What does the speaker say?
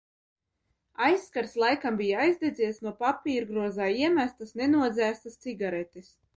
Aizkars laikam bija aizdedzies no papīru grozā iemestas nenodzēstas cigaretes.